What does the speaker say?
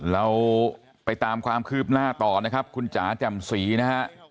เราไปตามความคืบหน้าต่อนะครับคุณจ๋าแจ่มศรีนะฮะ